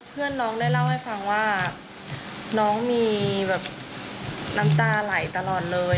เพื่อนน้องได้เล่าให้ฟังว่าน้องมีแบบน้ำตาไหลตลอดเลย